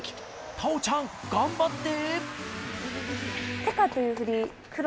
太鳳ちゃん、頑張って！